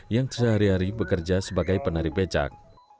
yang sehari hari bekerja sebagai penari becak